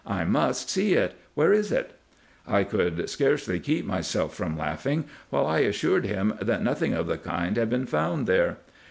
I must see it. Where is it ?" I could scarcely keep myself from laughing, while I assured him that nothing of the kind had been found there.